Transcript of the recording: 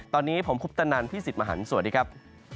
ตอนนี้ผมคุปตนันพี่สิทธิ์มหันฯสวัสดีครับ